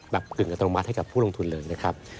กึ่งอัตโนมัติให้กับผู้ลงทุนเลยนะครับ